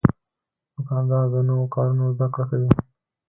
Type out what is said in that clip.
دوکاندار د نوو کارونو زدهکړه کوي.